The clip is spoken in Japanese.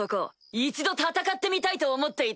一度戦ってみたいと思っていたんだ。